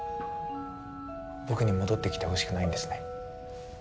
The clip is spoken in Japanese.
僕に戻ってきてほしくないんですね。